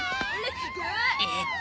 えっと。